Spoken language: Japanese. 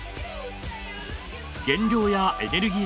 減量やエネルギー